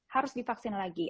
harus divaksin lagi